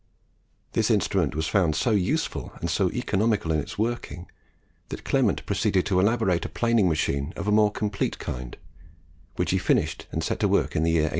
This instrument was found so useful and so economical in its working, that Clement proceeded to elaborate a planing machine of a more complete kind, which he finished and set to work in the year 1825.